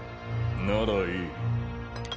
ならいい。